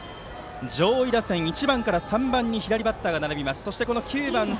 上位打線、１番から３番に左バッターが並びます。